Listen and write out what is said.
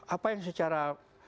apa yang secara